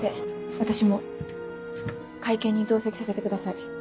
私も会見に同席させてください。